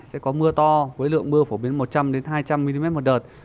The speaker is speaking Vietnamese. sẽ có mưa to với lượng mưa phổ biến một trăm linh hai trăm linh mm một đợt